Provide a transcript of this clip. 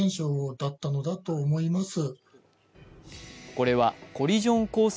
これはコリジョンコース